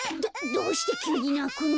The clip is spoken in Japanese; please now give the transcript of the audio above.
どうしてきゅうになくの？